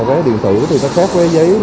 vé điện tử thì ta phép vé giấy